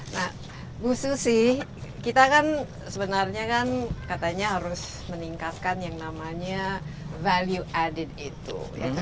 nah bu susi kita kan sebenarnya kan katanya harus meningkatkan yang namanya value added itu